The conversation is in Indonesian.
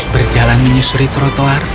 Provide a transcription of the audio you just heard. berjalan menyusuri trotoar